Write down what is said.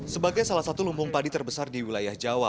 sebagai salah satu lumbung padi terbesar di wilayah jawa